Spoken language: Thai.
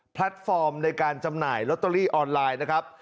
แพลตฟอร์มในการจำหน่ายลอตเตอรี่ออนไลน์นะครับ